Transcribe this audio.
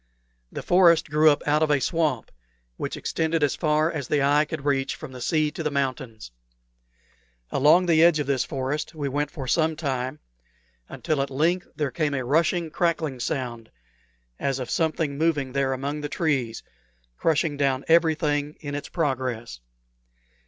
The forest grew up out of a swamp, which extended as far as the eye could reach from the sea to the mountains. Along the edge of this forest we went for some time, until at length there came a rushing, crackling sound, as of something moving there among the trees, crushing down everything in its progress.